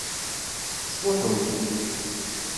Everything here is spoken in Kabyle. Tettfuḥum.